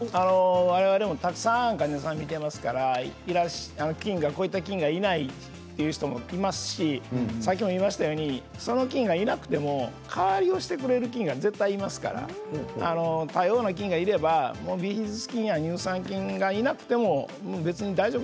我々もたくさん患者さんみてますからこういった菌がいないっていう人もいますしさっきも言いましたようにその菌がいなくても代わりをしてくれる菌が絶対いますから多様な菌がいればビフィズス菌や乳酸菌がいなくても別に大丈夫です。